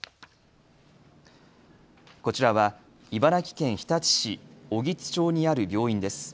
こちらは茨城県日立市小木津町にある病院です。